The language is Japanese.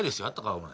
お前。